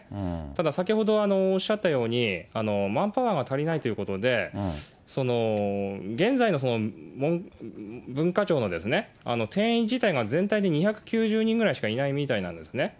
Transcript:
ただ、先ほどおっしゃったように、マンパワーが足りないということで、現在の文化庁の定員自体が全体で２９０人ぐらいしかいないみたいなんですね。